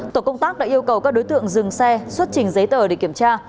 tổ công tác đã yêu cầu các đối tượng dừng xe xuất trình giấy tờ để kiểm tra